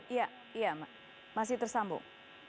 iya iya masih tersambung